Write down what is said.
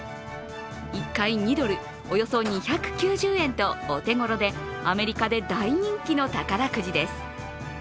１回２ドル、およそ２９０円とお手頃でアメリカで大人気の宝くじです。